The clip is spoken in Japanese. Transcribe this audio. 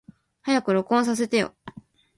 早く録音させてよ。